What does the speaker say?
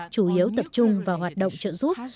chủ yếu tập trung vào hoạt động trợ giúp